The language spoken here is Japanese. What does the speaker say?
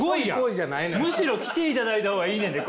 むしろ来ていただいた方がいいねんで！